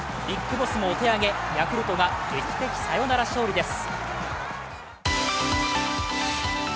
ＢＩＧＢＯＳＳもお手上げ、ヤクルトは劇的サヨナラ勝利です。